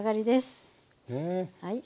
はい。